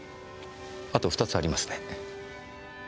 あと２つありますね。